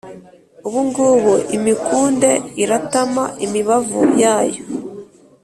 Ubu ngubu imikunde iratama imibavu yayo,